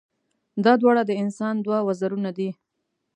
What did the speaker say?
دا دواړه د انسان دوه وزرونه دي.